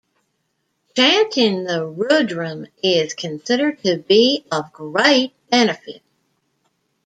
Chanting the Rudram is considered to be of great benefit.